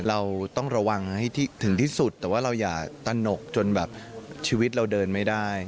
เราต้องระวังให้ถึงที่สุดแต่ว่าเราอย่าตนกจนแบบชีวิตเราเดินไม่ได้